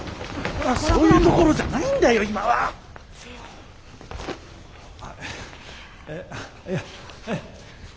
そういうところじゃないんだよ今は。え。